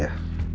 ya makasih pak